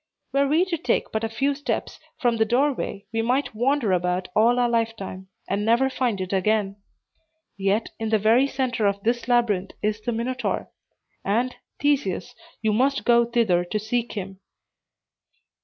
Were we to take but a few steps from the doorway, we might wander about all our lifetime, and never find it again. Yet in the very center of this labyrinth is the Minotaur; and, Theseus, you must go thither to seek him."